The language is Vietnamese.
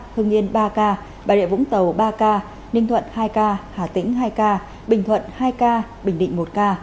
hương yên ba ca bà rịa vũng tàu ba ca ninh thuận hai ca hà tĩnh hai ca bình thuận hai ca bình định một ca